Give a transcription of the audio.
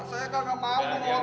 saya enggak mau bunuh orang pak